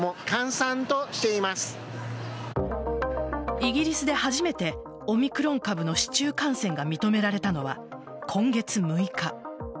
イギリスで初めてオミクロン株の市中感染が認められたのは今月６日。